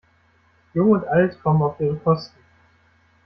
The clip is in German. Jung und Alt kommen auf ihre Kosten.